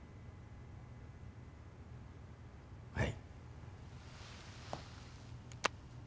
はい。